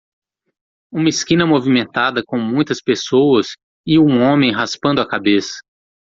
Uma esquina movimentada com muitas pessoas e um homem raspando a cabeça